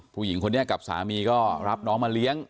ผู้หญิงคนนี้กับสามีก็รับน้องมาเลี้ยง